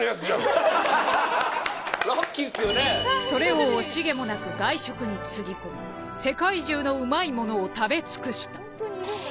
それを惜しげもなく外食につぎ込み世界中のうまいものを食べ尽くした。